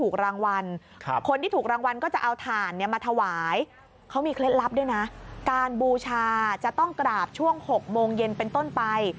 การบูลชาจะต้องกราบช่วง๖โมงเย็นเป็นต้นไป